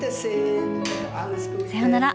さようなら。